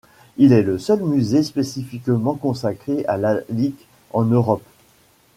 Il est le seul musée spécifiquement consacré à Lalique en Europe.